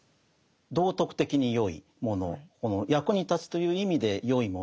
道徳的に善いもの役に立つという意味で善いもの